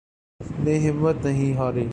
نے ہمت نہیں ہاری